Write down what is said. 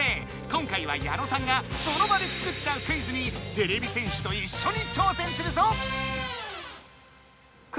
今回は矢野さんがその場で作っちゃうクイズにてれび戦士といっしょにちょうせんするぞ！